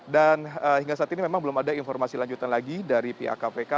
dan hingga saat ini memang belum ada informasi lanjutan lagi dari pihak kpk